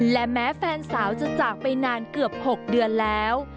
และแม้แฟนสาวจะจากไปนานเกือบ๖เดือนแล้ว